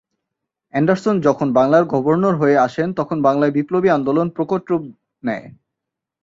Anderson যখন বাংলার governor হয়ে আসেন তখন বাংলায় বিপ্লবী আন্দোলন প্রকট রূপ নেয়।